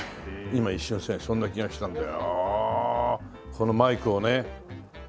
このマイクをね。